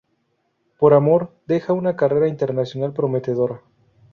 Por amor, deja una carrera internacional prometedora.